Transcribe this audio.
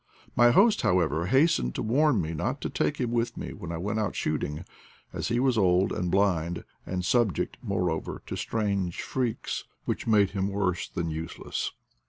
My host, however, hastened to warn me not to take him with me when I went out shooting, as he was old and blind, and subject, moreover, to strange freaks, which made him worse than useless.